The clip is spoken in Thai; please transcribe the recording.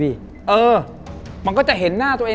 มันก็จะเห็นหน้าตัวเอง